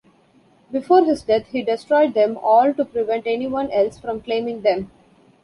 Before his death he destroyed them all to prevent anyone else from claiming them.